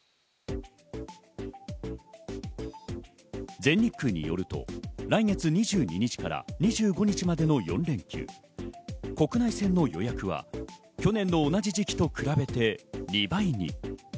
全日空によると、来月２２日から２５日までの４連休、国内線の予約は去年の同じ時期と比べて２倍に。